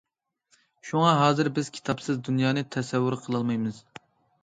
شۇڭا ھازىر بىز كىتابسىز دۇنيانى تەسەۋۋۇر قىلالمايمىز.